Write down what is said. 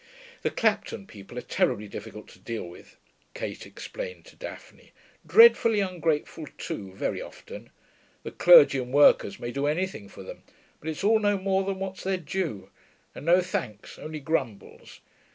'The Clapton people are terribly difficult to deal with,' Kate explained to Daphne. 'Dreadfully ungrateful, too, very often. The clergy and workers may do anything for them, but it's all no more than what's their due, and no thanks, only grumbles.